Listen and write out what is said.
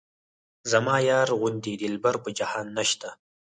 زما یار غوندې دلبر په جهان نشته.